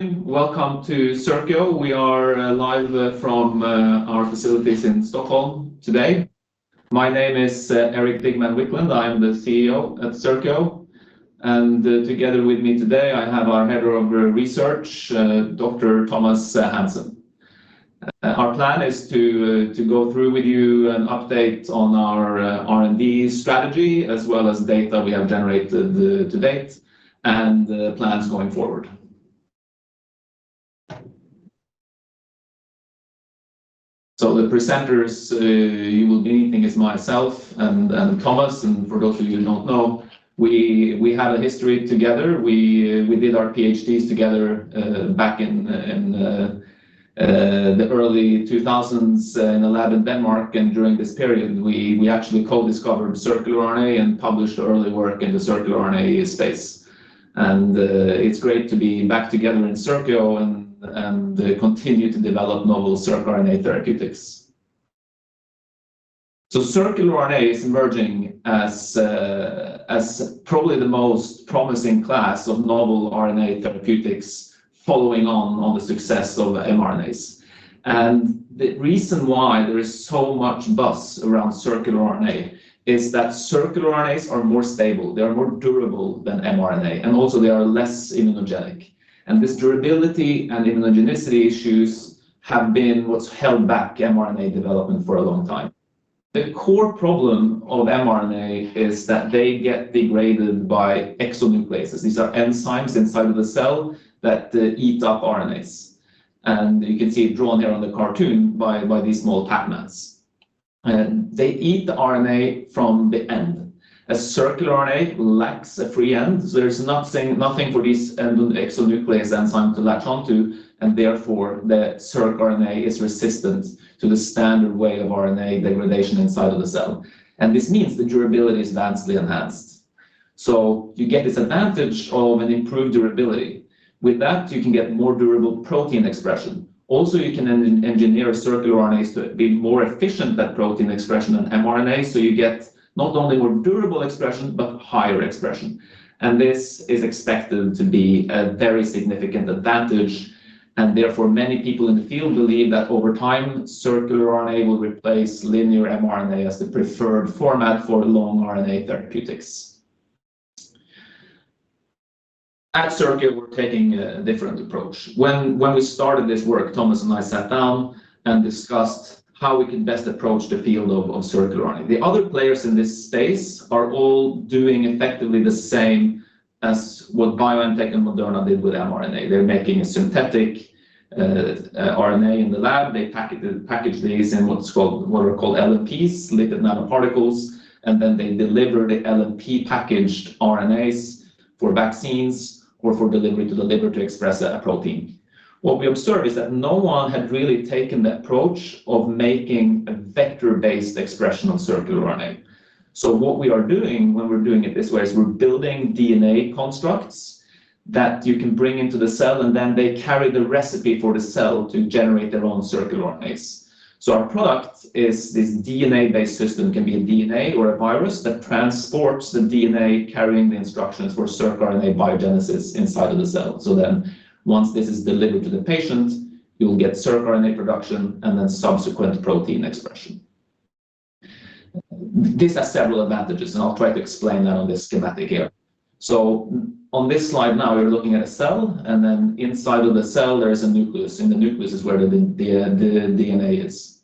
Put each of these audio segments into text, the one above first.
Welcome to Circio. We are live from our facilities in Stockholm today. My name is Erik Digman Wiklund. I'm the CEO at Circio, and together with me today, I have our Head of Research, Dr. Thomas Hansen. Our plan is to go through with you an update on our R&D strategy, as well as data we have generated to date, and the plans going forward. The presenters you will be meeting are myself and Thomas, and for those of you who don't know, we have a history together. We did our PhDs together back in the early 2000s in a lab in Denmark, and during this period, we actually co-discovered circular RNA and published early work in the circular RNA space. It's great to be back together in Circio and continue to develop novel circRNA therapeutics. Circular RNA is emerging as probably the most promising class of novel RNA therapeutics, following on the success of mRNAs. The reason why there is so much buzz around circular RNA is that circular RNAs are more stable, they are more durable than mRNA, and also they are less immunogenic. This durability and immunogenicity issues have been what's held back mRNA development for a long time. The core problem of mRNA is that they get degraded by exonucleases. These are enzymes inside of the cell that eat up RNAs. You can see it drawn here on the cartoon by these small top hats. They eat the RNA from the end. A circular RNA lacks a free end, so there's nothing for these exonucleases to latch onto, and therefore, the circRNA is resistant to the standard way of RNA degradation inside of the cell. And this means the durability is vastly enhanced. So you get this advantage of an improved durability. With that, you can get more durable protein expression. Also, you can engineer circular RNAs to be more efficient at protein expression than mRNA, so you get not only more durable expression, but higher expression. And this is expected to be a very significant advantage, and therefore, many people in the field believe that over time, circular RNA will replace linear mRNA as the preferred format for long RNA therapeutics. At Circio, we're taking a different approach. When we started this work, Thomas and I sat down and discussed how we could best approach the field of circular RNA. The other players in this space are all doing effectively the same as what BioNTech and Moderna did with mRNA. They're making a synthetic RNA in the lab. They package these in what are called LNPs, lipid nanoparticles, and then they deliver the LNP packaged RNAs for vaccines or for delivery to the liver to express a protein. What we observed is that no one had really taken the approach of making a vector-based expression of circular RNA. So what we are doing when we're doing it this way, is we're building DNA constructs that you can bring into the cell, and then they carry the recipe for the cell to generate their own circular RNAs. Our product is this DNA-based system, can be a DNA or a virus that transports the DNA, carrying the instructions for circRNA biogenesis inside of the cell. Then once this is delivered to the patient, you will get circRNA production and then subsequent protein expression. These are several advantages, and I'll try to explain that on this schematic here. On this slide, now, we're looking at a cell, and then inside of the cell, there is a nucleus, and the nucleus is where the DNA is.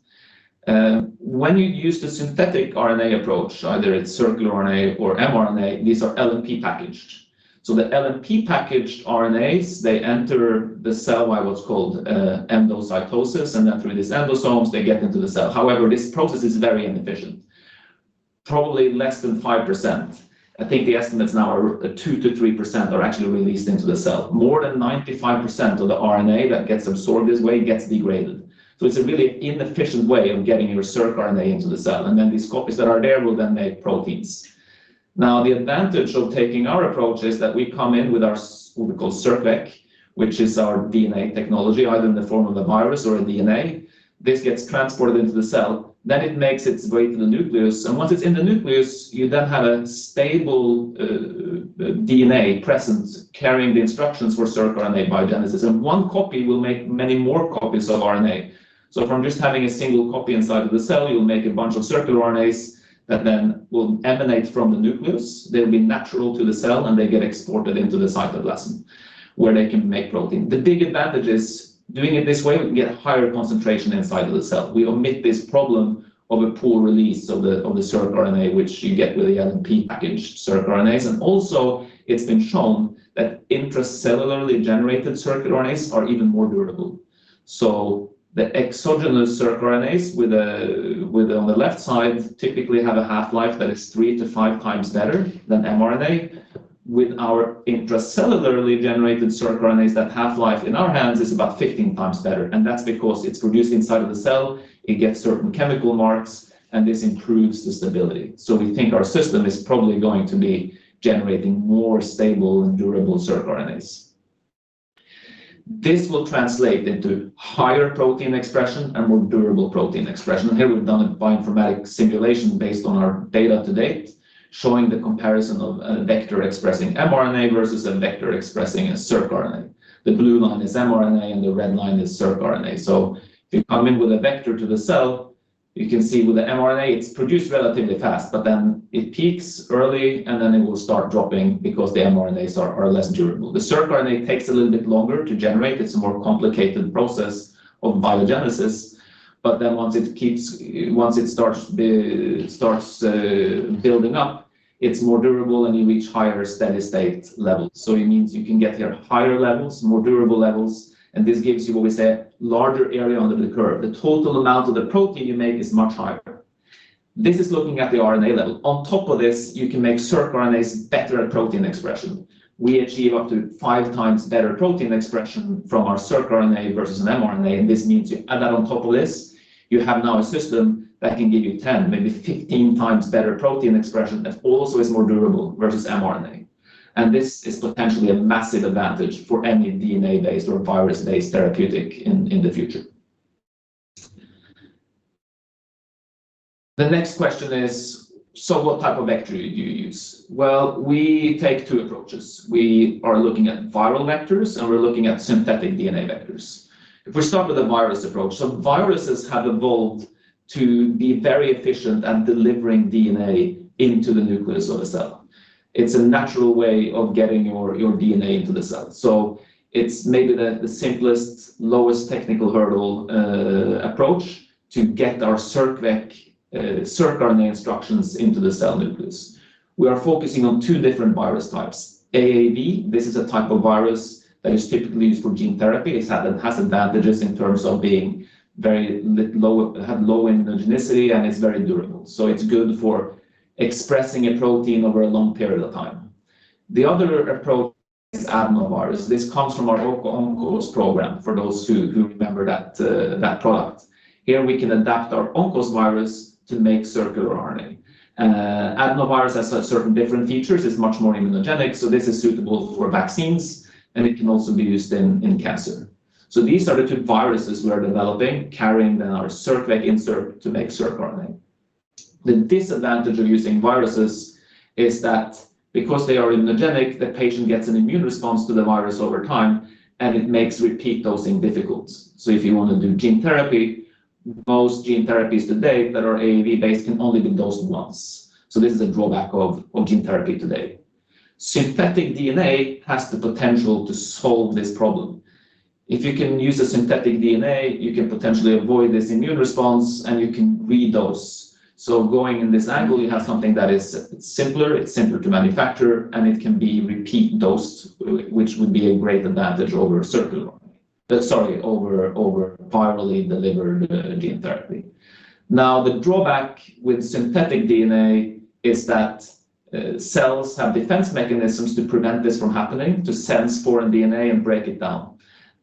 When you use the synthetic RNA approach, either it's circular RNA or mRNA, these are LNP packaged. The LNP packaged RNAs, they enter the cell by what's called endocytosis, and then through these endosomes, they get into the cell. However, this process is very inefficient, probably less than 5%. I think the estimates now are 2%-3% are actually released into the cell. More than 95% of the RNA that gets absorbed this way gets degraded. So it's a really inefficient way of getting your circRNA into the cell, and then these copies that are there will then make proteins. Now, the advantage of taking our approach is that we come in with our, what we call circVec, which is our DNA technology, either in the form of a virus or a DNA. This gets transported into the cell, then it makes its way to the nucleus. And once it's in the nucleus, you then have a stable, DNA presence carrying the instructions for circRNA biogenesis, and one copy will make many more copies of RNA. So from just having a single copy inside of the cell, you'll make a bunch of circular RNAs that then will emanate from the nucleus. They'll be natural to the cell, and they get exported into the cytoplasm, where they can make protein. The big advantage is, doing it this way, we can get a higher concentration inside of the cell. We omit this problem of a poor release of the circRNA, which you get with the LNP packaged circRNAs. And also, it's been shown that intracellularly generated circRNAs are even more durable. So the exogenous circRNAs with on the left side typically have a half-life that is 3-5x better than mRNA. With our intracellularly generated circRNAs, that half-life in our hands is about 15x better, and that's because it's produced inside of the cell, it gets certain chemical marks, and this improves the stability. We think our system is probably going to be generating more stable and durable circRNAs. This will translate into higher protein expression and more durable protein expression. Here, we've done a bioinformatic simulation based on our data to date, showing the comparison of a vector expressing mRNA versus a vector expressing a circRNA. The blue line is mRNA, and the red line is circRNA. If you come in with a vector to the cell, you can see with the mRNA, it's produced relatively fast, but then it peaks early, and then it will start dropping because the mRNAs are less durable. The circRNA takes a little bit longer to generate. It's a more complicated process of biogenesis, but then once it starts building up, it's more durable, and you reach higher steady-state levels. So it means you can get your higher levels, more durable levels, and this gives you what we say, larger area under the curve. The total amount of the protein you make is much higher. This is looking at the RNA level. On top of this, you can make circRNAs better at protein expression. We achieve up to five times better protein expression from our circRNA versus an mRNA, and this means you add that on top of this, you have now a system that can give you ten, maybe fifteen times better protein expression, that also is more durable versus mRNA. And this is potentially a massive advantage for any DNA-based or virus-based therapeutic in the future. The next question is: what type of vector do you use? Well, we take two approaches. We are looking at viral vectors, and we're looking at synthetic DNA vectors. If we start with a virus approach, viruses have evolved to be very efficient at delivering DNA into the nucleus of a cell. It's a natural way of getting your DNA into the cell. It's maybe the simplest, lowest technical hurdle approach to get our circVec, circRNA instructions into the cell nucleus. We are focusing on two different virus types. AAV, this is a type of virus that is typically used for gene therapy. It has advantages in terms of being very low, have low immunogenicity, and it's very durable, so it's good for expressing a protein over a long period of time. The other approach is adenovirus. This comes from our ONCOS program, for those who remember that product. Here we can adapt our ONCOS virus to make circular RNA. Adenovirus has certain different features. It's much more immunogenic, so this is suitable for vaccines, and it can also be used in cancer. So these are the two viruses we are developing, carrying then our circVec insert to make circRNA. The disadvantage of using viruses is that because they are immunogenic, the patient gets an immune response to the virus over time, and it makes repeat dosing difficult. So if you want to do gene therapy, most gene therapies today that are AAV-based can only be dosed once. So this is a drawback of gene therapy today. Synthetic DNA has the potential to solve this problem. If you can use a synthetic DNA, you can potentially avoid this immune response, and you can redose. So going in this angle, you have something that is simpler, it's simpler to manufacture, and it can be repeat dosed, which would be a great advantage over circular over virally delivered gene therapy. Now, the drawback with synthetic DNA is that cells have defense mechanisms to prevent this from happening, to sense foreign DNA and break it down.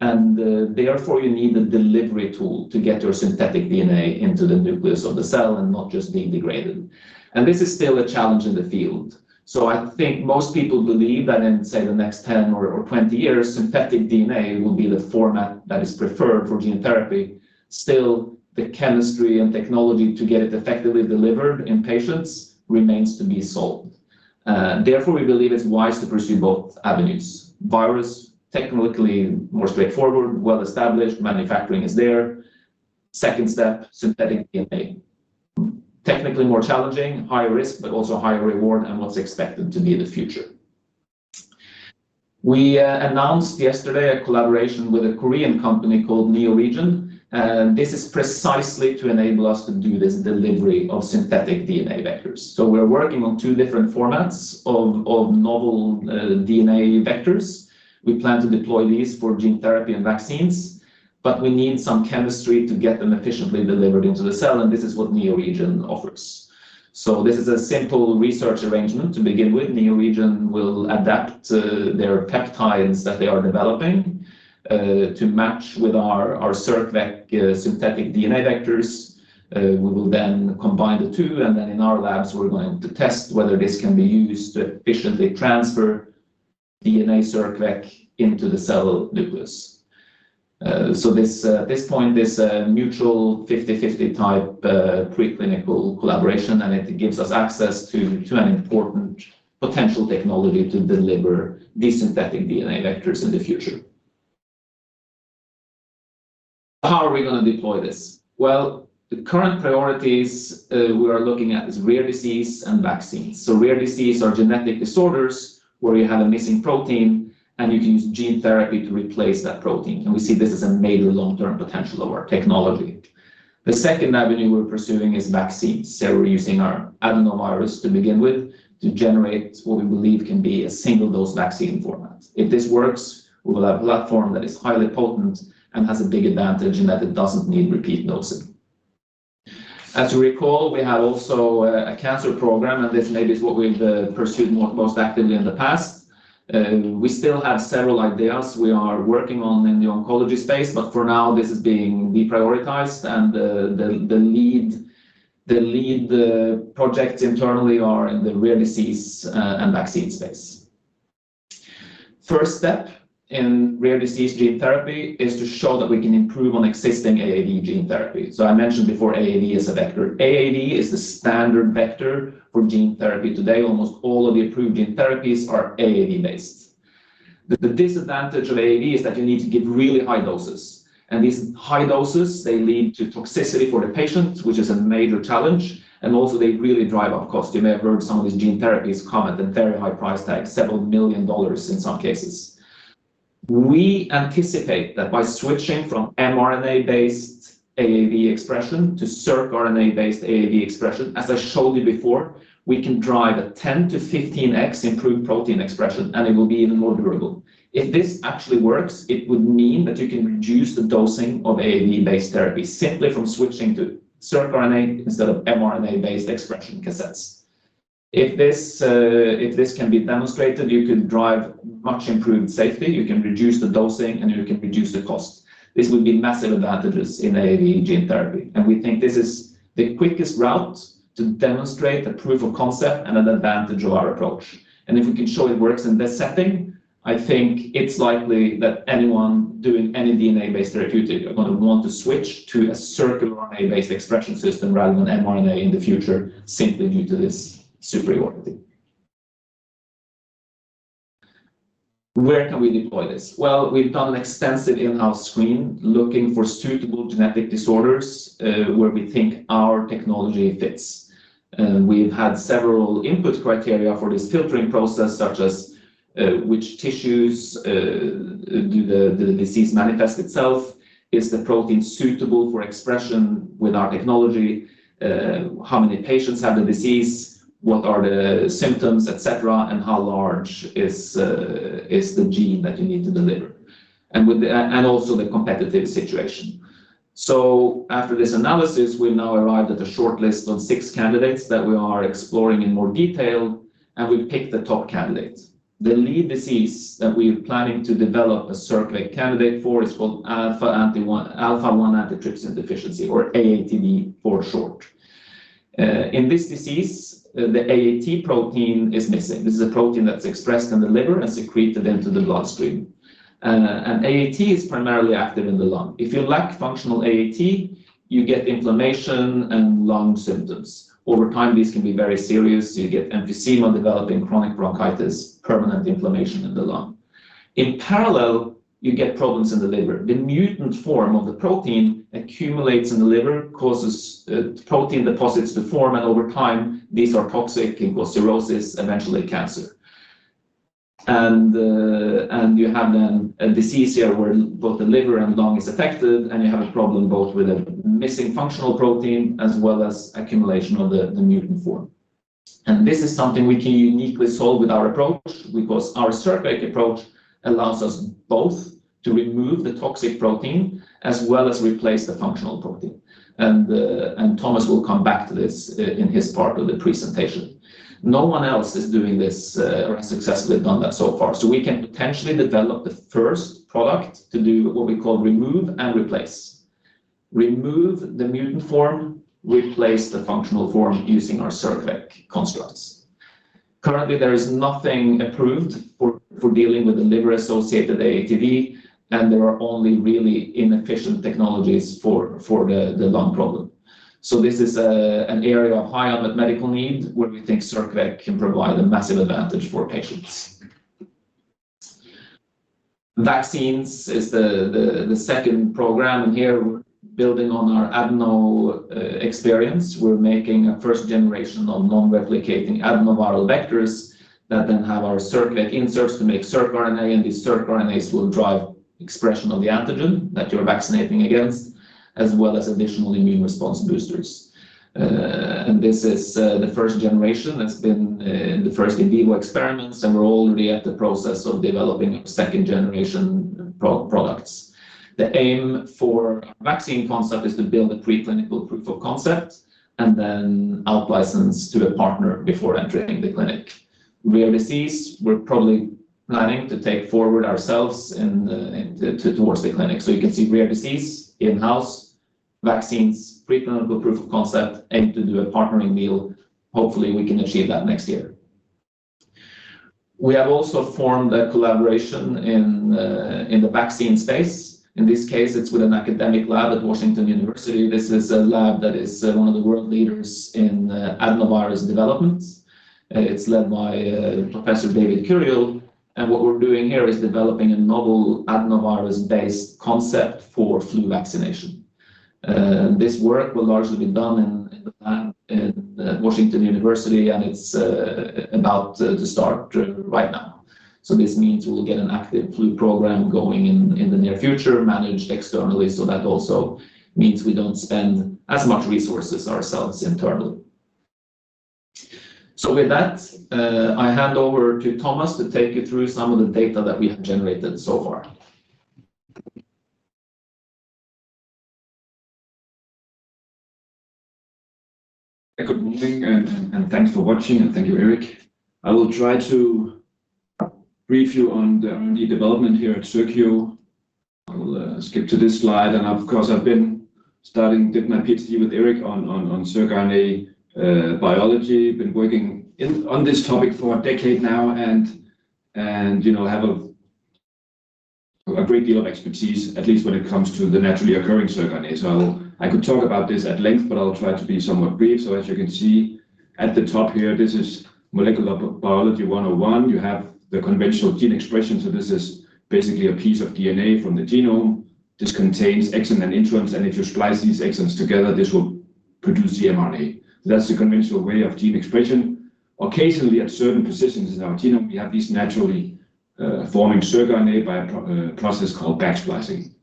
And therefore, you need a delivery tool to get your synthetic DNA into the nucleus of the cell and not just being degraded. And this is still a challenge in the field. So I think most people believe that in, say, the next 10 or 20 years, synthetic DNA will be the format that is preferred for gene therapy. Still, the chemistry and technology to get it effectively delivered in patients remains to be solved. Therefore, we believe it's wise to pursue both avenues. Virus, technically more straightforward, well-established, manufacturing is there. Second step, synthetic DNA. Technically more challenging, higher risk, but also higher reward and what's expected to be the future. We announced yesterday a collaboration with a Korean company called NeoRegen, and this is precisely to enable us to do this delivery of synthetic DNA vectors. So we're working on two different formats of novel DNA vectors. We plan to deploy these for gene therapy and vaccines, but we need some chemistry to get them efficiently delivered into the cell, and this is what NeoRegen offers. So this is a simple research arrangement to begin with. NeoRegen will adapt their peptides that they are developing to match with our circVec synthetic DNA vectors. We will then combine the two, and then in our labs, we're going to test whether this can be used to efficiently transfer DNA circVec into the cell nucleus. So at this point, this mutual 50/50 type preclinical collaboration, and it gives us access to an important potential technology to deliver these synthetic DNA vectors in the future. How are we gonna deploy this? Well, the current priorities we are looking at is rare disease and vaccines. So rare disease are genetic disorders where you have a missing protein, and you can use gene therapy to replace that protein. And we see this as a major long-term potential of our technology. The second avenue we're pursuing is vaccines. So we're using our adenovirus to begin with to generate what we believe can be a single dose vaccine format. If this works, we will have a platform that is highly potent and has a big advantage in that it doesn't need repeat dosing. As you recall, we have also a cancer program, and this maybe is what we've pursued most actively in the past. We still have several ideas we are working on in the oncology space, but for now, this is being deprioritized and the lead projects internally are in the rare disease and vaccine space. First step in rare disease gene therapy is to show that we can improve on existing AAV gene therapy. So I mentioned before, AAV is a vector. AAV is the standard vector for gene therapy today. Almost all of the approved gene therapies are AAV-based. The disadvantage of AAV is that you need to give really high doses. These high doses, they lead to toxicity for the patient, which is a major challenge, and also they really drive up cost. You may have heard some of these gene therapies come at a very high price tag, several million dollars in some cases. We anticipate that by switching from mRNA-based AAV expression to circRNA-based AAV expression, as I showed you before, we can drive a 10X-15X improved protein expression, and it will be even more durable. If this actually works, it would mean that you can reduce the dosing of AAV-based therapy simply from switching to circRNA instead of mRNA-based expression cassettes. If this can be demonstrated, you could drive much improved safety, you can reduce the dosing, and you can reduce the cost. This would be massive advantages in AAV gene therapy, and we think this is the quickest route to demonstrate a proof of concept and an advantage of our approach. If we can show it works in this setting, I think it's likely that anyone doing any DNA-based therapeutic are going to want to switch to a circRNA-based expression system rather than mRNA in the future, simply due to this superiority. Where can we deploy this? Well, we've done an extensive in-house screen looking for suitable genetic disorders where we think our technology fits. We've had several input criteria for this filtering process, such as which tissues do the disease manifest itself? Is the protein suitable for expression with our technology? How many patients have the disease? What are the symptoms, et cetera, and how large is the gene that you need to deliver? And also the competitive situation. So after this analysis, we now arrived at a short list of 6 candidates that we are exploring in more detail, and we've picked the top candidates. The lead disease that we're planning to develop a circVec candidate for is called alpha anti one, alpha-1 antitrypsin deficiency, or AATD for short. In this disease, the AAT protein is missing. This is a protein that's expressed in the liver and secreted into the bloodstream. And AAT is primarily active in the lung. If you lack functional AAT, you get inflammation and lung symptoms. Over time, these can be very serious. You get emphysema, developing chronic bronchitis, permanent inflammation in the lung. In parallel, you get problems in the liver. The mutant form of the protein accumulates in the liver, causes protein deposits to form, and over time, these are toxic, can cause cirrhosis, eventually cancer. You have then a disease here where both the liver and lung is affected, and you have a problem both with a missing functional protein as well as accumulation of the mutant form. This is something we can uniquely solve with our approach, because our circVec approach allows us both to remove the toxic protein as well as replace the functional protein. Thomas will come back to this in his part of the presentation. No one else is doing this or has successfully done that so far. So we can potentially develop the first product to do what we call remove and replace. Remove the mutant form, replace the functional form using our circVec constructs. Currently, there is nothing approved for dealing with the liver-associated AATD, and there are only really inefficient technologies for the lung problem. So this is an area of high unmet medical need where we think circVec can provide a massive advantage for patients. Vaccines is the second program, and here we're building on our adeno experience. We're making a first generation of non-replicating adenoviral vectors that then have our circVec inserts to make circRNA, and these circRNAs will drive expression of the antigen that you're vaccinating against, as well as additional immune response boosters. This is the first generation that's been in the first in vivo experiments, and we're already at the process of developing second generation pro-products. The aim for vaccine concept is to build a preclinical proof of concept and then out-license to a partner before entering the clinic. Rare disease, we're probably planning to take forward ourselves in the to towards the clinic. You can see rare disease, in-house vaccines, preclinical proof of concept, aim to do a partnering deal. Hopefully, we can achieve that next year. We have also formed a collaboration in the vaccine space. In this case, it's with an academic lab at Washington University. This is a lab that is one of the world leaders in Adenovirus developments. It's led by Professor David Curiel, and what we're doing here is developing a novel adenovirus-based concept for flu vaccination. This work will largely be done in the lab in Washington University, and it's about to start right now. So this means we will get an active flu program going in the near future, managed externally, so that also means we don't spend as much resources ourselves internally. So with that, I hand over to Thomas to take you through some of the data that we have generated so far. Good morning, and thanks for watching, and thank you, Erik. I will try to brief you on the R&D development here at Circio. I will skip to this slide. Of course, I started, did my PhD with Erik on circRNA biology. Been working on this topic for a decade now and, you know, have a-... a great deal of expertise, at least when it comes to the naturally occurring circRNA. So I could talk about this at length, but I'll try to be somewhat brief. So as you can see at the top here, this is Molecular Biology 101. You have the conventional gene expression. So this is basically a piece of DNA from the genome. This contains exons and introns, and if you splice these exons together, this will produce the mRNA. That's the conventional way of gene expression. Occasionally, at certain positions in our genome, we have these naturally forming circRNA by a process called back splicing.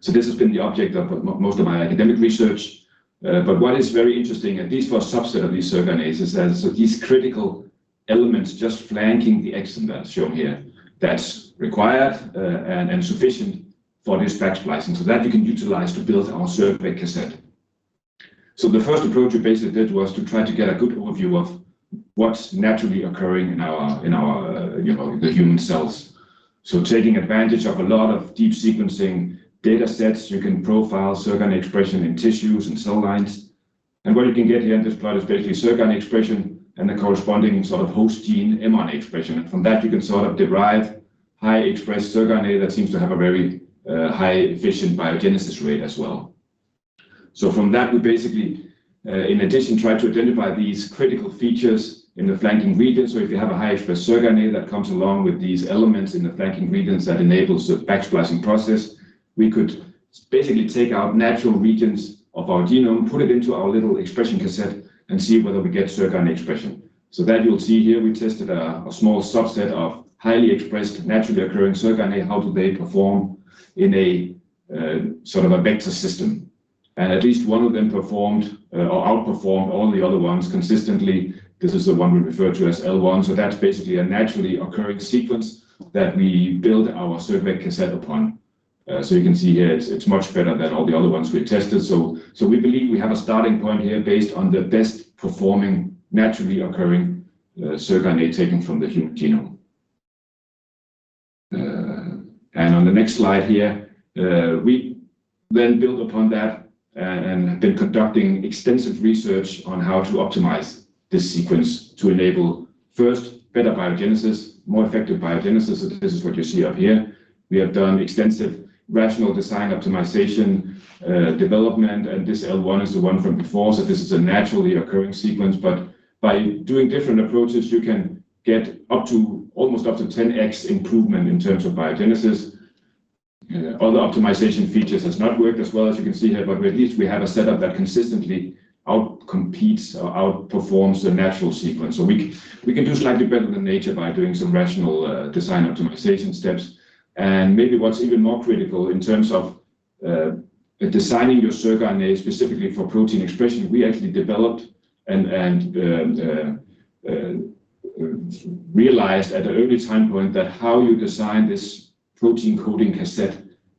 So this has been the object of but most of my academic research. But what is very interesting, at least for a subset of these circRNAs, is that so these critical elements just flanking the exon that's shown here, that's required, and sufficient for this back splicing. So that you can utilize to build our circVec cassette. So the first approach we basically did was to try to get a good overview of what's naturally occurring in our, you know, the human cells. So taking advantage of a lot of deep sequencing datasets, you can profile circRNA expression in tissues and cell lines. And what you can get here in this plot is basically circRNA expression and the corresponding sort of host gene mRNA expression. And from that, you can sort of derive high expressed circRNA that seems to have a very high efficient biogenesis rate as well. So from that, we basically, in addition, try to identify these critical features in the flanking regions. So if you have a high expressed circRNA that comes along with these elements in the flanking regions that enables the back splicing process, we could basically take out natural regions of our genome, put it into our little expression cassette, and see whether we get circRNA expression. So that you'll see here, we tested a small subset of highly expressed, naturally occurring circRNA, how do they perform in a sort of a vector system? And at least one of them performed, or outperformed all the other ones consistently. This is the one we refer to as L1, so that's basically a naturally occurring sequence that we build our circVec cassette upon. You can see here, it's much better than all the other ones we tested. We believe we have a starting point here based on the best performing, naturally occurring circRNA taken from the human genome. On the next slide here, we then build upon that and have been conducting extensive research on how to optimize this sequence to enable, first, better biogenesis, more effective biogenesis. This is what you see up here. We have done extensive rational design, optimization, development, and this L1 is the one from before. This is a naturally occurring sequence, but by doing different approaches, you can get up to almost 10x improvement in terms of biogenesis. Other optimization features has not worked as well as you can see here, but at least we have a setup that consistently outcompetes or outperforms the natural sequence. So we can do slightly better than nature by doing some rational design optimization steps. And maybe what's even more critical in terms of designing your circRNA specifically for protein expression, we actually developed and realized at an early time point that how you design this protein coding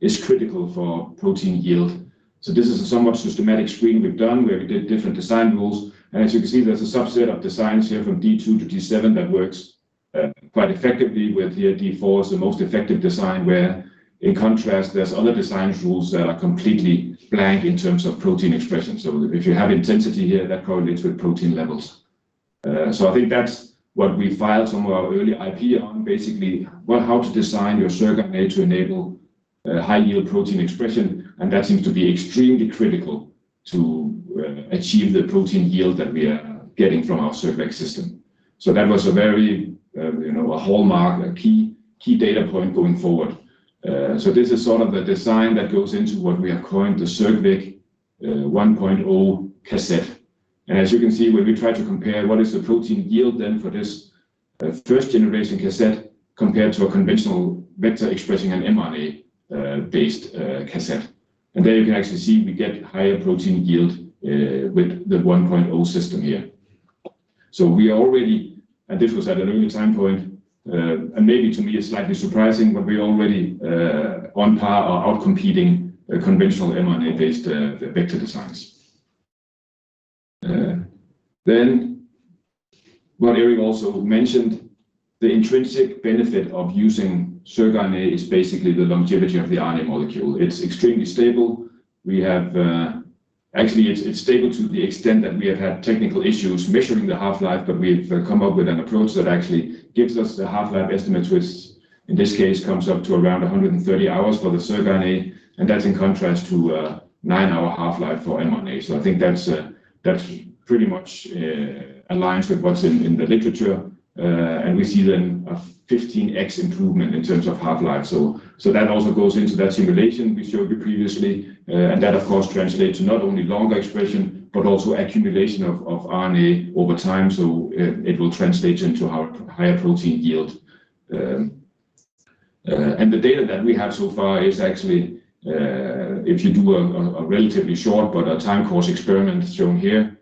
cassette is critical for protein yield. So this is a somewhat systematic screen we've done, where we did different design rules. As you can see, there's a subset of designs here from D2-D7 that works quite effectively. Here, D4 is the most effective design, where in contrast, there's other design rules that are completely blank in terms of protein expression. So if you have intensity here, that correlates with protein levels. So I think that's what we filed some of our early IP on, basically, what how to design your circRNA to enable high-yield protein expression, and that seems to be extremely critical to achieve the protein yield that we are getting from our circVec system. So that was a very, you know, a hallmark, a key, key data point going forward. So this is sort of the design that goes into what we are calling the circVec 1.0 cassette. And as you can see, when we try to compare what is the protein yield then for this, first-generation cassette compared to a conventional vector expressing an mRNA-based cassette. And there you can actually see we get higher protein yield, with the 1.0 system here. So we are already... And this was at an early time point, and maybe to me, it's slightly surprising, but we're already, on par or outcompeting the conventional mRNA-based vector designs. Then what Erik also mentioned, the intrinsic benefit of using circRNA is basically the longevity of the RNA molecule. It's extremely stable. We have, Actually, it's stable to the extent that we have had technical issues measuring the half-life, but we've come up with an approach that actually gives us the half-life estimates, which in this case, comes up to around 130 hours for the circRNA, and that's in contrast to a 9-hour half-life for mRNA. So I think that's pretty much aligns with what's in the literature, and we see then a 15x improvement in terms of half-life. So that also goes into that simulation we showed you previously, and that of course translates to not only longer expression, but also accumulation of RNA over time, so it will translate into higher protein yield. And the data that we have so far is actually, if you do a relatively short time course experiment shown here,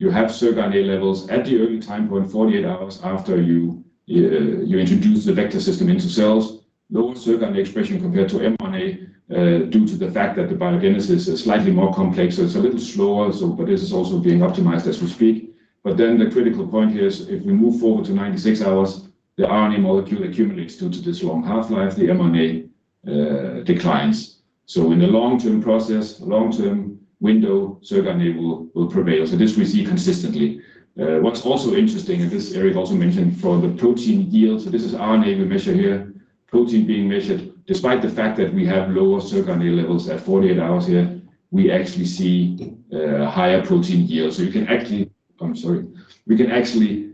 you have circRNA levels at the early time point, 48 hours after you introduce the vector system into cells. Lower circRNA expression compared to mRNA, due to the fact that the biogenesis is slightly more complex, so it's a little slower, but this is also being optimized as we speak. But then the critical point here is if we move forward to 96 hours, the RNA molecule accumulates due to this long half-life, the mRNA declines. So in the long-term process, long-term window, circRNA will prevail. So this we see consistently. What's also interesting, and this Erik also mentioned, for the protein yield, so this is RNA we measure here, protein being measured. Despite the fact that we have lower circRNA levels at 48 hours here, we actually see, actually, higher protein yield. You can actually, I'm sorry, we can actually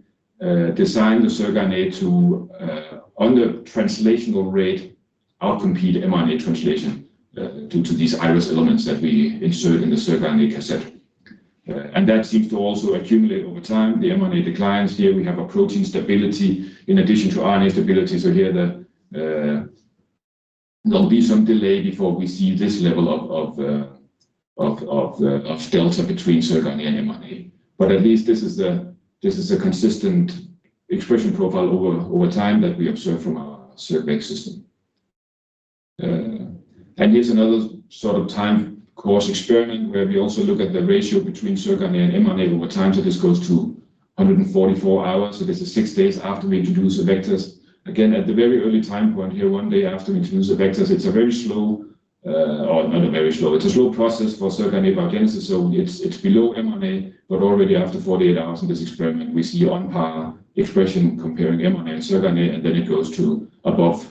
design the circRNA to, on the translational rate, outcompete mRNA translation due to these IRES elements that we insert in the circRNA cassette. That seems to also accumulate over time. The mRNA declines here, we have a protein stability in addition to RNA stability. Here, there'll be some delay before we see this level of delta between circRNA and mRNA. At least this is a consistent expression profile over time that we observe from our circVec system. Here's another sort of time course experiment where we also look at the ratio between circRNA and mRNA over time. This goes to 144 hours, so this is six days after we introduce the vectors. Again, at the very early time point here, one day after we introduce the vectors, it's a very slow, or not a very slow, it's a slow process for circRNA biogenesis, so it's below mRNA, but already after 48 hours in this experiment, we see on par expression comparing mRNA and circRNA, and then it goes to above,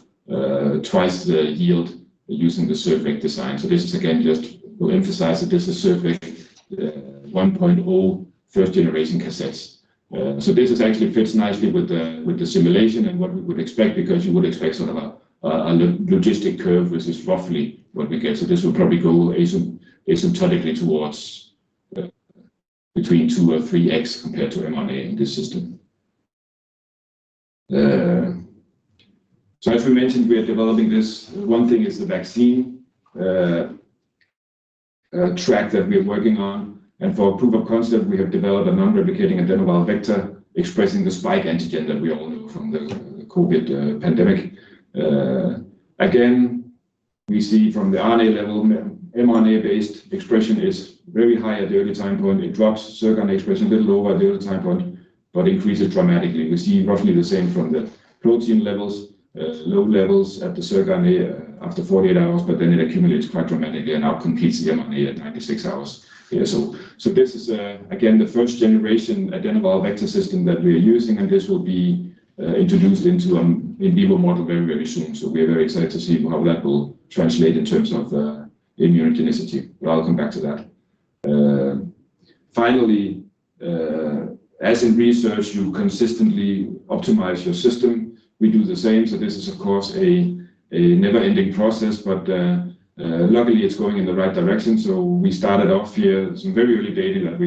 twice the yield using the circVec design. This is again, just to emphasize that this is circVec 1.0 first generation cassettes. This actually fits nicely with the simulation and what we would expect, because you would expect sort of a logistic curve, which is roughly what we get. So this will probably go asymptotically towards between 2X or 3X compared to mRNA in this system. So as we mentioned, we are developing this. One thing is the vaccine track that we are working on, and for proof of concept, we have developed a non-replicating adenovirus vector expressing the spike antigen that we all know from the COVID pandemic. Again, we see from the RNA level, mRNA-based expression is very high at the early time point. It drops circRNA expression a little low by the early time point, but increases dramatically. We see roughly the same from the protein levels, low levels at the circRNA after 48 hours, but then it accumulates quite dramatically and outcompetes the mRNA at 96 hours. Yeah, this is, again, the first generation adenovirus vector system that we are using, and this will be introduced into an in vivo model very, very soon. We are very excited to see how that will translate in terms of immunogenicity. I'll come back to that. Finally, as in research, you consistently optimize your system. We do the same. This is, of course, a never-ending process, but luckily, it's going in the right direction. We started off here, some very early data that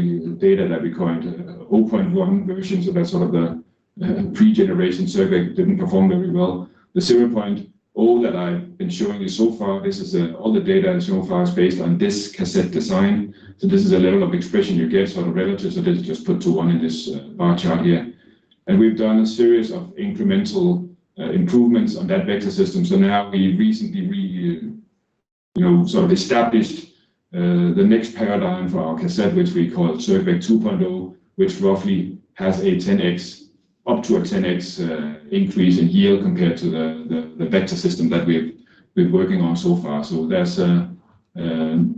we called 0.1 version. That's sort of the pre-generation circVec, didn't perform very well. The 0.0 that I've been showing you so far, all the data so far is based on this cassette design. So this is a level of expression you get sort of relative, so let's just put to one in this bar chart here. And we've done a series of incremental improvements on that vector system. So now we recently, you know, sort of established the next paradigm for our cassette, which we call circVec 2.0, which roughly has a 10X, up to a 10X increase in yield compared to the vector system that we have been working on so far. So there's a...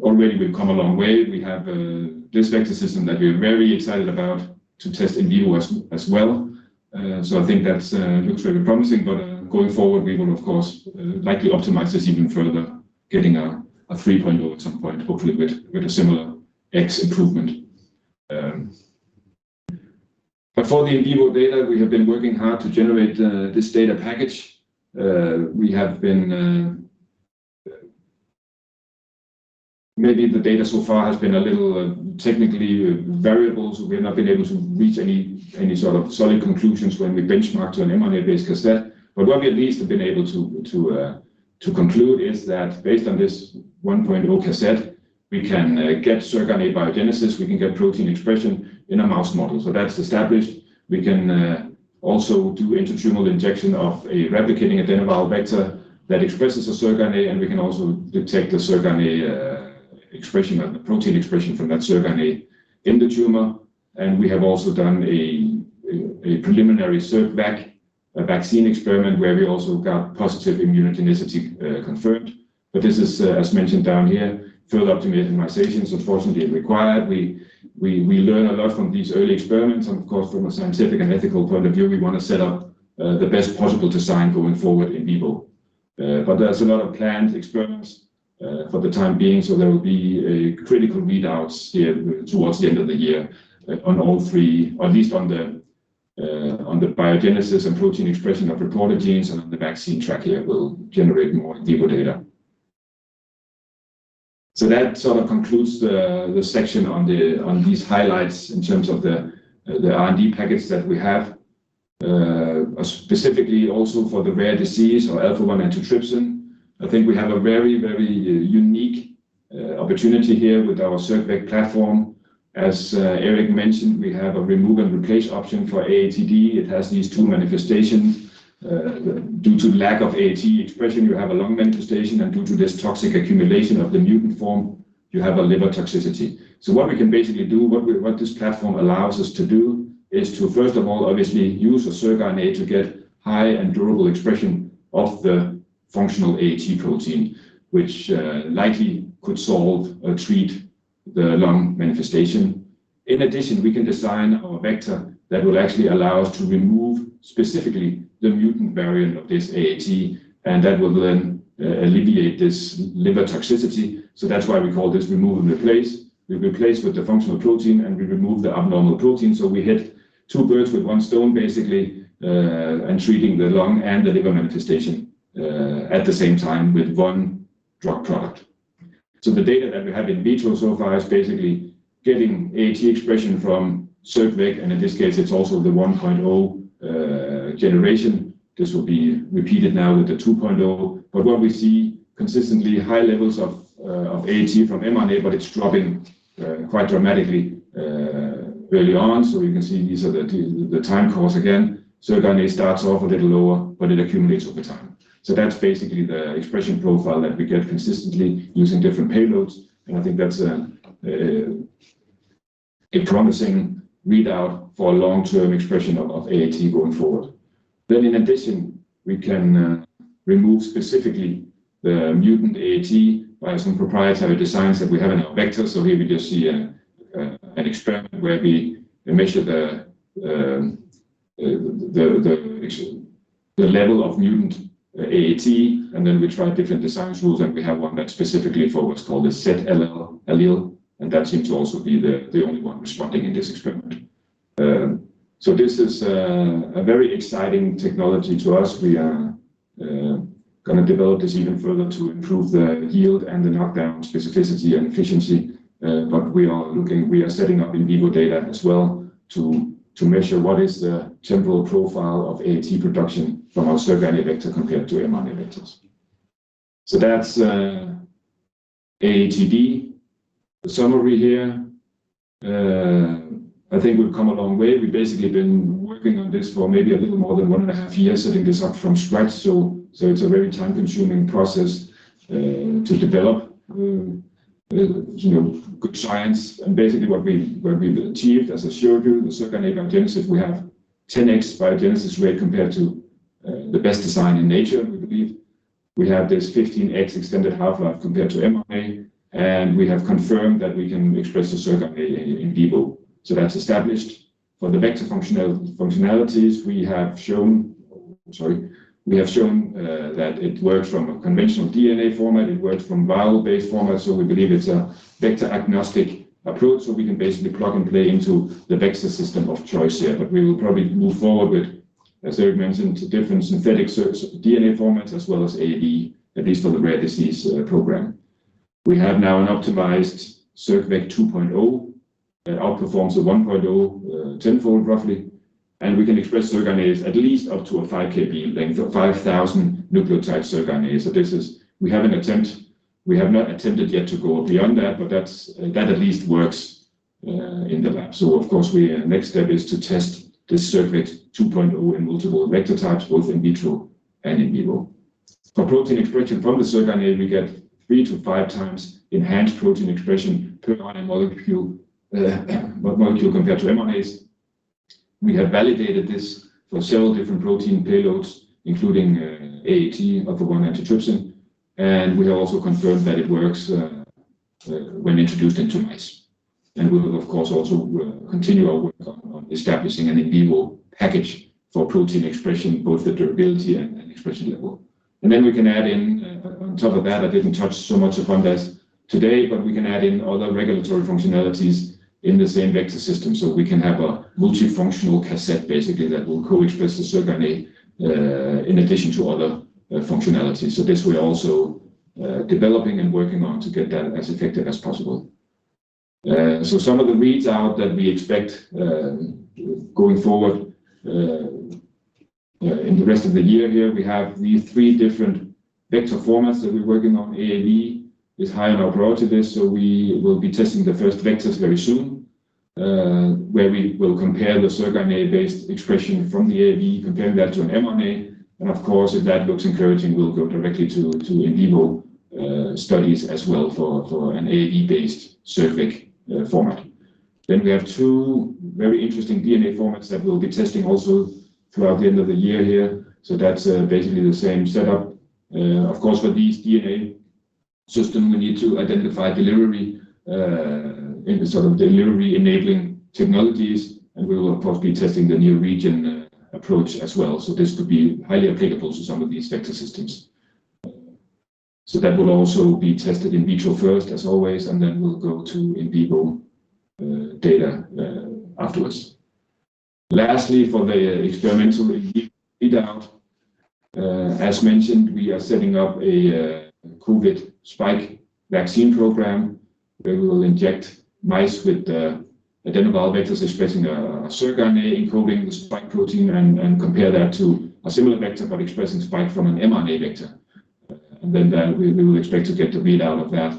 Already we've come a long way. We have this vector system that we're very excited about to test in vivo as well. I think that looks very promising, but going forward, we will of course likely optimize this even further, getting a 3.0 at some point, hopefully with a similar x improvement. For the in vivo data, we have been working hard to generate this data package. We have been... Maybe the data so far has been a little technically variable, so we have not been able to reach any sort of solid conclusions when we benchmark to an mRNA-based cassette. What we at least have been able to conclude is that based on this 1.0 cassette, we can get circRNA biogenesis, we can get protein expression in a mouse model. That's established. We can also do intratumoral injection of a replicating adenovirus vector that expresses a circRNA, and we can also detect the circRNA expression, the protein expression from that circRNA in the tumor. We have also done a preliminary circVec, a vaccine experiment where we also got positive immunogenicity confirmed. But this is, as mentioned down here, further optimization is unfortunately required. We learn a lot from these early experiments, and of course, from a scientific and ethical point of view, we wanna set up the best possible design going forward in vivo. But there's a lot of planned experiments, for the time being, so there will be critical readouts here towards the end of the year on all three, or at least on the biogenesis and protein expression of reporter genes and on the vaccine track here. We'll generate more in vivo data. So that sort of concludes the section on these highlights in terms of the R&D packets that we have, specifically also for the rare disease or alpha-1 antitrypsin. I think we have a very, very unique opportunity here with our circVec platform. As Erik mentioned, we have a remove and replace option for AATD. It has these two manifestations. Due to lack of AAT expression, you have a lung manifestation, and due to this toxic accumulation of the mutant form-... You have a liver toxicity. So what we can basically do, what this platform allows us to do is to, first of all, obviously use a circRNA to get high and durable expression of the functional AAT protein, which likely could solve or treat the lung manifestation. In addition, we can design our vector that will actually allow us to remove specifically the mutant variant of this AAT, and that will then alleviate this liver toxicity. So that's why we call this remove and replace. We replace with the functional protein, and we remove the abnormal protein. So we hit two birds with one stone, basically, and treating the lung and the liver manifestation at the same time with one drug product. So the data that we have in vitro so far is basically getting AAT expression from circVec, and in this case, it's also the 1.0 generation. This will be repeated now with the 2.0. But what we see consistently high levels of AAT from mRNA, but it's dropping quite dramatically early on. So you can see these are the time course again. circRNA starts off a little lower, but it accumulates over time. So that's basically the expression profile that we get consistently using different payloads, and I think that's a promising readout for long-term expression of AAT going forward. Then in addition, we can remove specifically the mutant AAT by some proprietary designs that we have in our vector. Here we just see an experiment where we measure the level of mutant AAT, and then we try different design rules, and we have one that's specifically for what's called a Z allele, allele, and that seems to also be the only one responding in this experiment. This is a very exciting technology to us. We are going to develop this even further to improve the yield and the knockdown specificity and efficiency, but we are looking... We are setting up in vivo data as well to measure what is the temporal profile of AAT production from our circRNA vector compared to mRNA vectors. That's AATD. The summary here, I think we've come a long way. We've basically been working on this for maybe a little more than one and a half years, setting this up from scratch. It's a very time-consuming process to develop, you know, good science. Basically what we've achieved, as I showed you, the circRNA biogenesis, we have 10x biogenesis rate compared to the best design in nature, we believe. We have this 15X extended half-life compared to mRNA, and we have confirmed that we can express the circRNA in vivo. That's established. For the vector functionalities we have shown, sorry, we have shown that it works from a conventional DNA format, it works from viral-based format, so we believe it's a vector-agnostic approach. We can basically plug and play into the vector system of choice here. We will probably move forward with, as I mentioned, two different synthetic circDNA formats, as well as AAV, at least for the rare disease program. We have now an optimized circVec 2.0 that outperforms the 1.0 tenfold, roughly, and we can express circRNAs at least up to a 5 kb in length, or 5,000 nucleotide circRNAs. This is... We have not attempted yet to go beyond that, but that at least works in the lab. Of course, the next step is to test this circVec 2.0 in multiple vector types, both in vitro and in vivo. For protein expression from the circRNA, we get 3-5x enhanced protein expression per RNA molecule compared to mRNAs. We have validated this for several different protein payloads, including AAT alpha-1 antitrypsin, and we have also confirmed that it works when introduced into mice. We will, of course, continue our work on establishing an in vivo package for protein expression, both the durability and expression level. Then we can add in, on top of that, I didn't touch so much upon this today, but we can add in other regulatory functionalities in the same vector system. So we can have a multifunctional cassette, basically, that will co-express the circRNA in addition to other functionalities. So this we're also developing and working on to get that as effective as possible. So some of the readouts that we expect going forward in the rest of the year here, we have the three different vector formats that we're working on. AAV is high on our priority list, so we will be testing the first vectors very soon, where we will compare the circRNA-based expression from the AAV, comparing that to an mRNA. And of course, if that looks encouraging, we'll go directly to in vivo studies as well for an AAV-based circVec format. Then we have two very interesting DNA formats that we'll be testing also throughout the end of the year here. So that's basically the same setup. Of course, for this DNA system, we need to identify delivery in the sort of delivery-enabling technologies, and we will of course be testing the NeoRegen approach as well. So this could be highly applicable to some of these vector systems. So that will also be tested in vitro first, as always, and then we'll go to in vivo data afterwards. Lastly, for the experimental readout, as mentioned, we are setting up a COVID spike vaccine program, where we will inject mice with the adenovirus vectors expressing a circRNA encoding the spike protein and compare that to a similar vector, but expressing spike from an mRNA vector. And then that we will expect to get the readout of that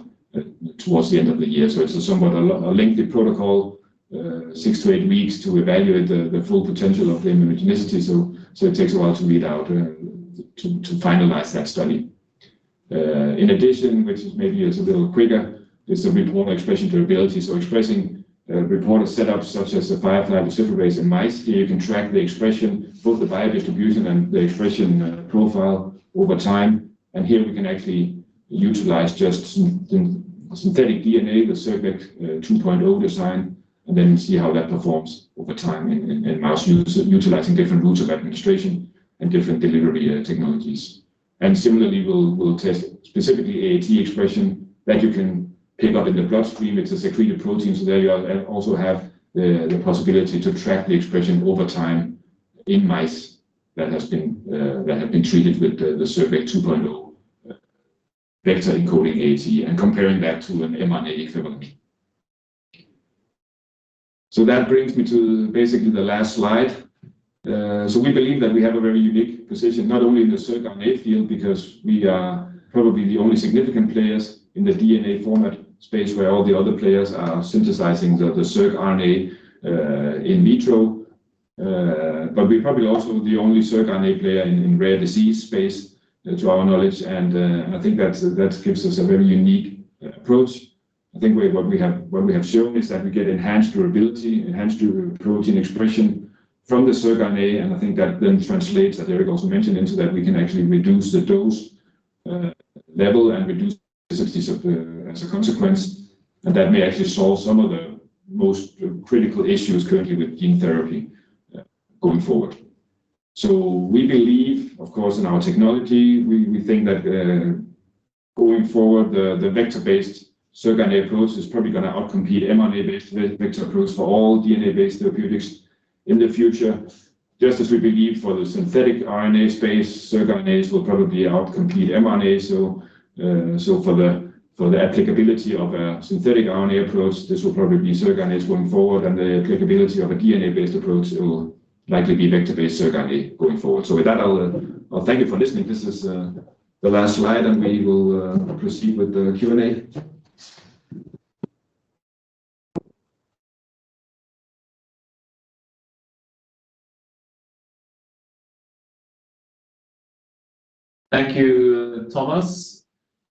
towards the end of the year. So it's a somewhat lengthy protocol, 6-8 weeks to evaluate the full potential of the immunogenicity. So it takes a while to read out to finalize that study. In addition, which maybe is a little quicker, is the reporter expression durability. So expressing reporter setups such as the firefly luciferase in mice, here you can track the expression, both the biodistribution and the expression profile over time. And here we can actually utilize just synthetic DNA, the circVec 2.0 design, and then see how that performs over time in mice using different routes of administration and different delivery technologies. And similarly, we'll test specifically AAT expression that you can pick up in the bloodstream. It's a secreted protein, so there you are, also have the possibility to track the expression over time in mice that have been treated with the circVec 2.0 vector encoding AAT and comparing that to an mRNA equivalent. So that brings me to basically the last slide. So we believe that we have a very unique position, not only in the circRNA field, because we are probably the only significant players in the DNA format space where all the other players are synthesizing the circRNA in vitro. But we're probably also the only circRNA player in rare disease space, to our knowledge. And I think that gives us a very unique approach. I think what we have shown is that we get enhanced durability, enhanced protein expression from the circRNA, and I think that then translates, that Erik also mentioned, into that we can actually reduce the dose level and reduce toxicity as a consequence. And that may actually solve some of the most critical issues currently with gene therapy going forward. So we believe, of course, in our technology. We think that going forward, the vector-based circRNA approach is probably gonna outcompete mRNA-based vector approach for all DNA-based therapeutics in the future. Just as we believe for the synthetic RNA space, circRNAs will probably outcompete mRNA. So, for the applicability of a synthetic RNA approach, this will probably be circRNAs going forward, and the applicability of a DNA-based approach, it will likely be vector-based circRNA going forward. So with that, I'll thank you for listening. This is the last slide, and we will proceed with the Q&A. Thank you, Thomas.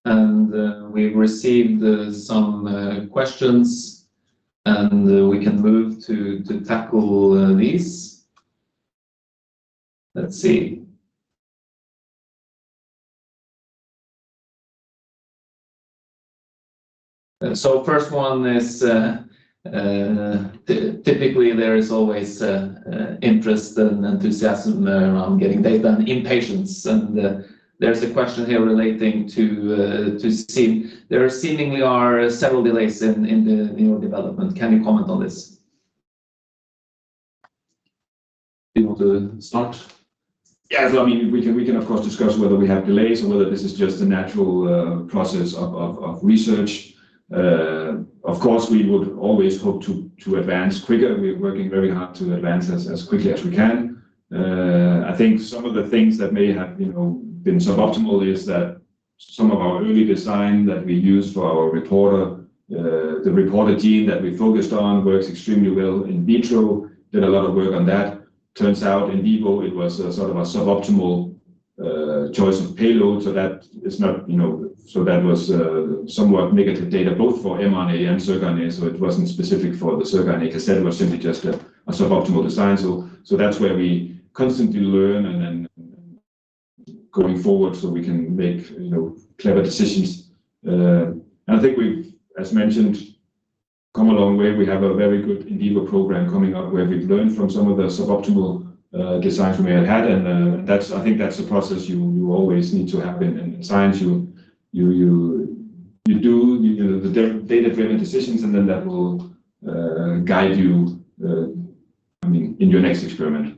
We've received some questions, and we can move to tackle these. Let's see. First one is, typically, there is always interest and enthusiasm around getting data and impatience. There's a question here relating to, to see. There seemingly are several delays in the neural development. Can you comment on this? You want to start? Yeah, I mean, we can, we can, of course, discuss whether we have delays or whether this is just a natural process of, of, of research. Of course, we would always hope to, to advance quicker. We're working very hard to advance as, as quickly as we can. I think some of the things that may have, you know, been suboptimal is that some of our early design that we used for our reporter, the reporter gene that we focused on works extremely well in vitro. Did a lot of work on that. Turns out in vivo, it was a sort of a suboptimal choice of payload. So that is not, you know... So that was somewhat negative data, both for mRNA and circRNA, so it wasn't specific for the circRNA. Because that was simply just a suboptimal design. That's where we constantly learn and then going forward, so we can make, you know, clever decisions. And I think we've, as mentioned, come a long way. We have a very good in vivo program coming up, where we've learned from some of the suboptimal designs we may have had. And that's-- I think that's a process you do the data-driven decisions, and then that will guide you, I mean, in your next experiment.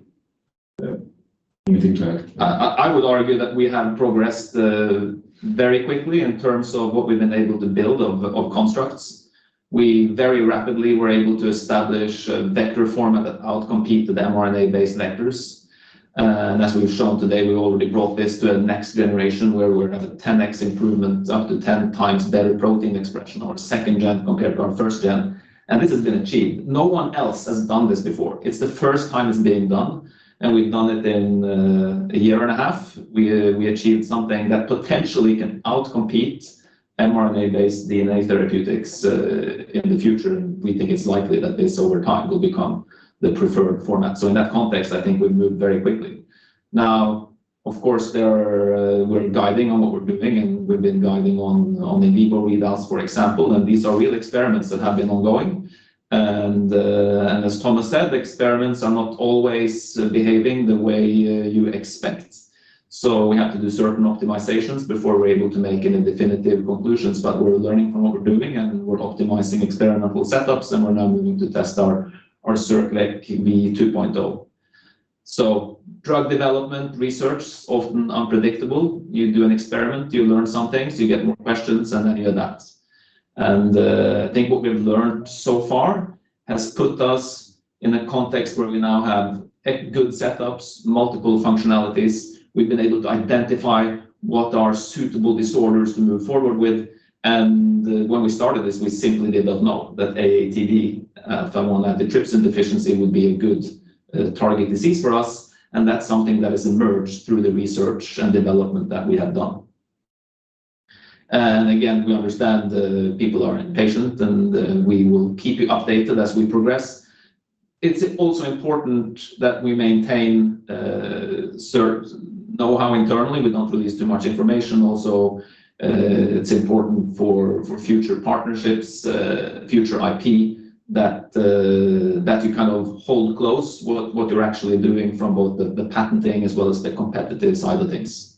Anything to add? I would argue that we have progressed very quickly in terms of what we've been able to build of constructs. We very rapidly were able to establish a vector format that outcompete the mRNA-based vectors. As we've shown today, we already brought this to a next generation, where we have a 10X improvement, up to 10x better protein expression, our second gen compared to our first gen, and this has been achieved. No one else has done this before. It's the first time it's being done, and we've done it in a year and a half. We achieved something that potentially can outcompete mRNA-based DNA therapeutics in the future. We think it's likely that this over time will become the preferred format. In that context, I think we've moved very quickly. Now, of course, there are... We're guiding on what we're doing, and we've been guiding on the in vivo readouts, for example, and these are real experiments that have been ongoing. As Thomas said, the experiments are not always behaving the way you expect. We have to do certain optimizations before we're able to make any definitive conclusions, but we're learning from what we're doing, and we're optimizing experimental setups, and we're now moving to test our circVec V2.0. Drug development research is often unpredictable. You do an experiment, you learn some things, you get more questions, and then you adapt. I think what we've learned so far has put us in a context where we now have good setups, multiple functionalities. We've been able to identify what are suitable disorders to move forward with. When we started this, we simply did not know that AATD, alpha-1 antitrypsin deficiency, would be a good target disease for us, and that's something that has emerged through the research and development that we have done. We understand people are impatient, and we will keep you updated as we progress. It's also important that we maintain certain know-how internally. We don't release too much information. Also, it's important for future partnerships, future IP, that you kind of hold close what you're actually doing from both the patenting as well as the competitive side of things.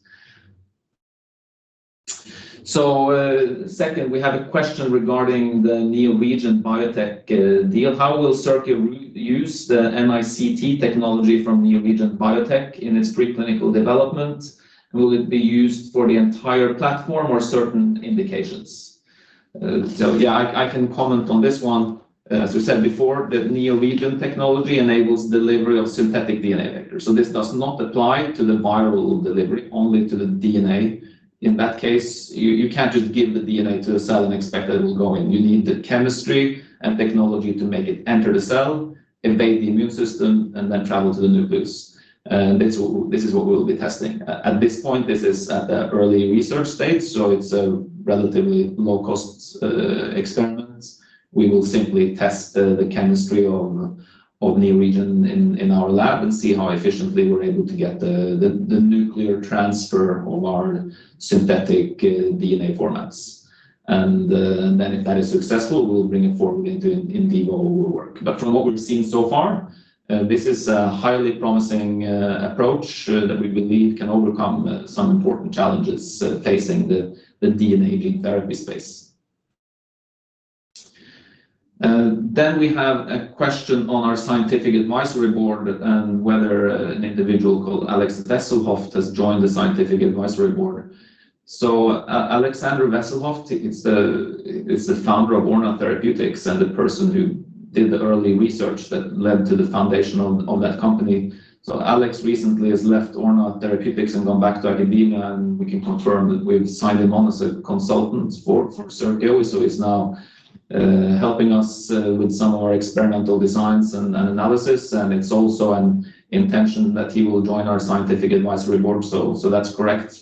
Second, we have a question regarding the NeoRegen Biotech deal. How will Circio use the NICT technology from NeoRegen Biotech in its preclinical development? Will it be used for the entire platform or certain indications? So yeah, I, I can comment on this one. As we said before, the NeoRegen technology enables delivery of synthetic DNA vectors. So this does not apply to the viral delivery, only to the DNA. In that case, you, you can't just give the DNA to a cell and expect that it will go in. You need the chemistry and technology to make it enter the cell, invade the immune system, and then travel to the nucleus. And this will—this is what we'll be testing. At this point, this is at the early research stage, so it's a relatively low-cost experiments. We will simply test the chemistry of NeoRegen in our lab and see how efficiently we're able to get the nuclear transfer of our synthetic DNA formats. And then if that is successful, we'll bring it forward into in vivo work. But from what we've seen so far, this is a highly promising approach that we believe can overcome some important challenges facing the DNA gene therapy space. And then we have a question on our scientific advisory board and whether an individual called Alex Wesselhoeft has joined the scientific advisory board. So Alexander Wesselhoeft is the founder of Orna Therapeutics and the person who did the early research that led to the foundation of that company. So Alex recently has left Orna Therapeutics and gone back to academia, and we can confirm that we've signed him on as a consultant for Circio. He's now helping us with some of our experimental designs and analysis, and it's also an intention that he will join our scientific advisory board. That's correct.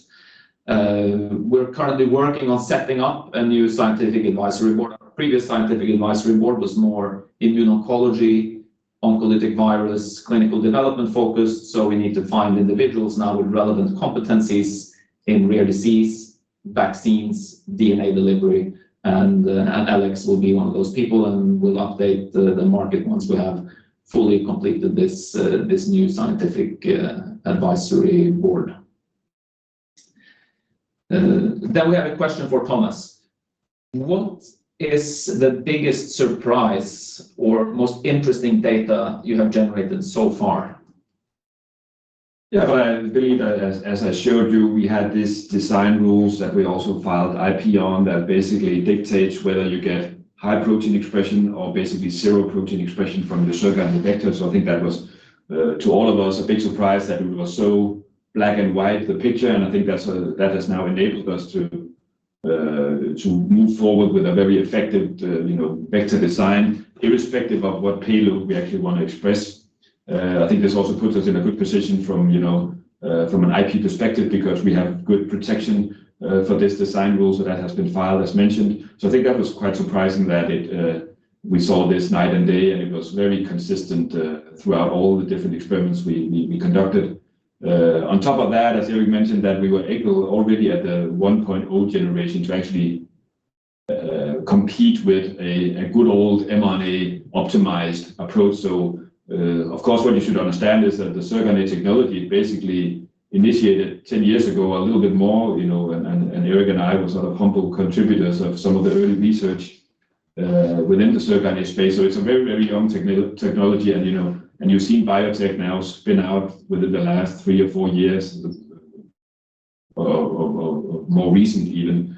We're currently working on setting up a new scientific advisory board. Our previous scientific advisory board was more immuno-oncology, oncolytic virus, clinical development focused, so we need to find individuals now with relevant competencies in rare disease, vaccines, DNA delivery, and Alex will be one of those people, and we'll update the market once we have fully completed this new scientific advisory board. We have a question for Thomas. What is the biggest surprise or most interesting data you have generated so far? Yeah, I believe that as I showed you, we had these design rules that we also filed IP on that basically dictates whether you get high protein expression or basically zero protein expression from the circRNA vector. I think that was, to all of us, a big surprise that it was so black and white, the picture, and I think that has now enabled us to move forward with a very effective, you know, vector design, irrespective of what payload we actually want to express. I think this also puts us in a good position from, you know, from an IP perspective because we have good protection for this design rule, so that has been filed, as mentioned. I think that was quite surprising that it, we saw this night and day, and it was very consistent throughout all the different experiments we conducted. On top of that, as Erik mentioned, we were able, already at the 1.0 generation, to actually compete with a good old mRNA optimized approach. Of course, what you should understand is that the circRNA technology basically initiated 10 years ago, a little bit more, you know, and Erik and I were sort of humble contributors of some of the early research within the circRNA space. It's a very, very young technology, and, you know, you've seen biotech now spin out within the last three or four years, or more recently even.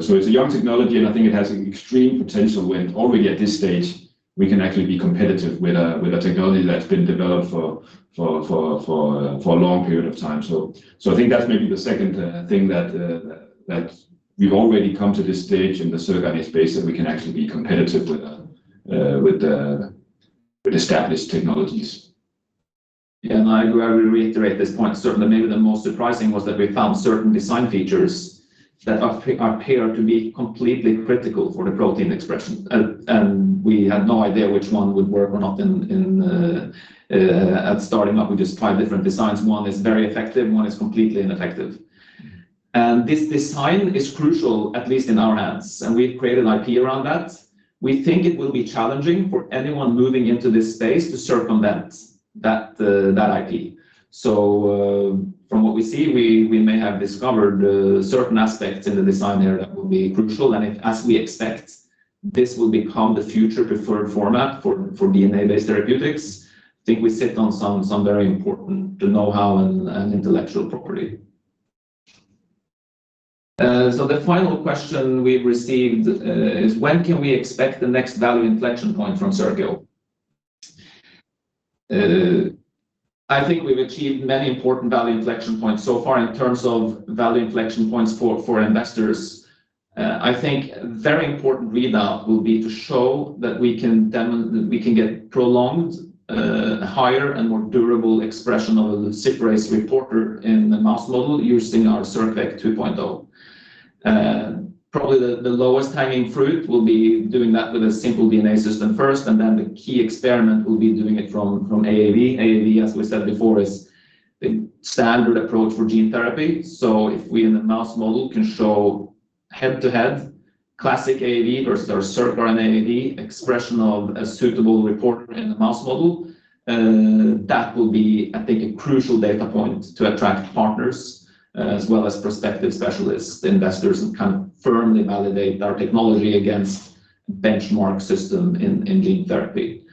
So it's a young technology, and I think it has extreme potential when already at this stage, we can actually be competitive with a technology that's been developed for a long period of time. So I think that's maybe the second thing that we've already come to this stage in the circRNA space, that we can actually be competitive with established technologies. Yeah, and I agree. I will reiterate this point. Certainly, maybe the most surprising was that we found certain design features that appear, appear to be completely critical for the protein expression, and we had no idea which one would work or not in, in... At starting up, we just tried different designs. One is very effective, one is completely ineffective. And this design is crucial, at least in our hands, and we've created IP around that. We think it will be challenging for anyone moving into this space to circumvent that, that IP. From what we see, we may have discovered certain aspects in the design area that will be crucial. If, as we expect, this will become the future preferred format for DNA-based therapeutics, I think we sit on some very important know-how and intellectual property. So the final question we've received is: When can we expect the next value inflection point from Circio? I think we've achieved many important value inflection points so far in terms of value inflection points for investors. I think very important readout will be to show that we can get prolonged, higher and more durable expression of a SEAP-based reporter in the mouse model using our circVec 2.0. Probably the lowest hanging fruit will be doing that with a simple DNA system first, and then the key experiment will be doing it from AAV. AAV, as we said before, is the standard approach for gene therapy. So if we in the mouse model can show head-to-head, classic AAV versus our circRNA AAV expression of a suitable reporter in the mouse model, that will be, I think, a crucial data point to attract partners as well as prospective specialists, investors, and kind of firmly validate our technology against benchmark system in gene therapy.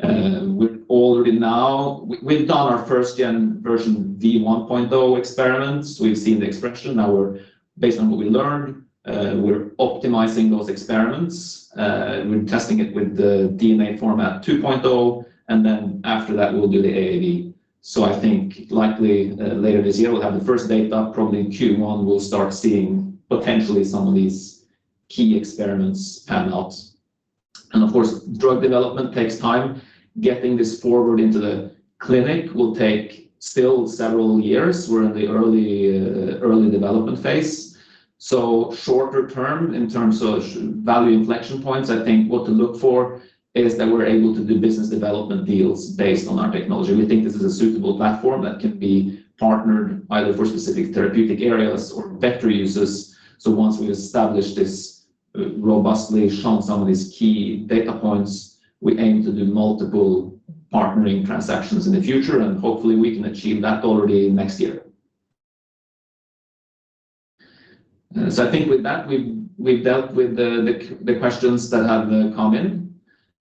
And we're already now—we've done our first gen version V 1.0 experiments. We've seen the expression. Now we're, based on what we learned, we're optimizing those experiments. We're testing it with the DNA format 2.0, and then after that, we will do the AAV. So I think likely, later this year, we'll have the first data. Probably in Q1, we'll start seeing potentially some of these key experiments pan out. And of course, drug development takes time. Getting this forward into the clinic will take still several years. We're in the early, early development phase. Shorter term, in terms of value inflection points, I think what to look for is that we're able to do business development deals based on our technology. We think this is a suitable platform that can be partnered either for specific therapeutic areas or vector uses. Once we establish this robustly, shown some of these key data points, we aim to do multiple partnering transactions in the future, and hopefully, we can achieve that already next year. I think with that, we've dealt with the questions that have come in.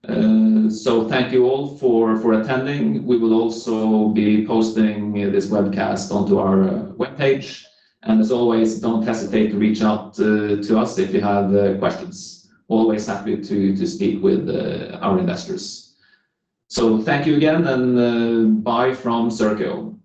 Thank you all for attending. We will also be posting this webcast onto our webpage. And as always, don't hesitate to reach out to us if you have questions. Always happy to speak with our investors. So thank you again, and bye from Circio.